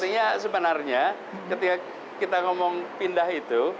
artinya sebenarnya ketika kita ngomong pindah itu